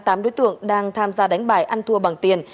tám đối tượng đang tham gia đánh bài ăn thua bằng tiền